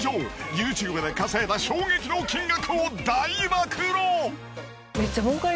ＹｏｕＴｕｂｅで稼いだ衝撃の金額を大暴露！